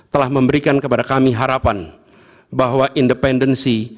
telah memberikan kepada kami harapan bahwa independensi